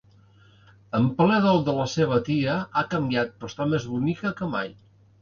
En ple dol de la seva tia, ha canviat però està més bonica que mai.